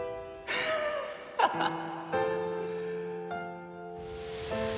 ハハハッ！